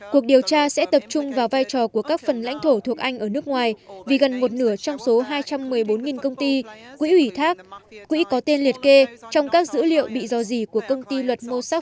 cuộc điều tra sẽ tập trung vào vai trò của các phần lãnh thổ thuộc anh ở nước ngoài vì gần một nửa trong số hai trăm một mươi bốn công ty quỹ ủy thác quỹ có tên liệt kê trong các dữ liệu bị dò dỉ của công ty luật moscow